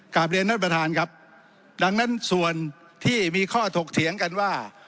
กลับเรียนท่านประธานครับดังนั้นส่วนที่มีข้อถกเถียงกันว่า